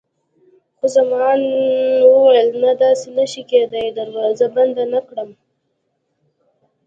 خان زمان وویل: نه، داسې نه شي کېدای، دروازه بنده نه کړم.